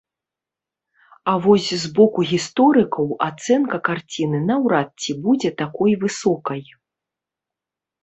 А вось з боку гісторыкаў ацэнка карціны наўрад ці будзе такой высокай.